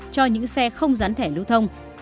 cho những xe không gián thẻ lưu thông